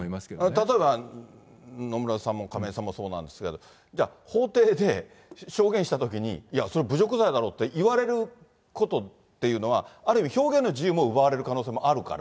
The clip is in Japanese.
例えば、野村さんも亀井さんもそうなんですが、じゃあ、法廷で、証言したときに、いや、それは侮辱罪だろって言われることっていうのは、ある意味、表現の自由も奪われる可能性もあるから。